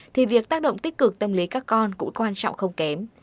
thì việc tác động tích cực tâm lý các con cũng quan trọng không kém